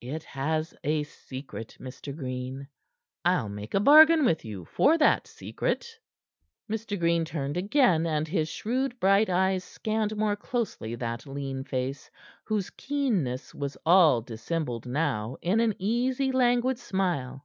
It has a secret, Mr. Green. I'll make a bargain with you for that secret." Mr. Green turned again, and his shrewd, bright eyes scanned more closely that lean face, whose keenness was all dissembled now in an easy, languid smile.